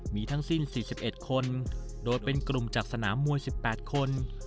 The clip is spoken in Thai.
มีทั้งสิ้น๔๑คนโดยเป็นกลุ่มจากสนามมวย๑๘คน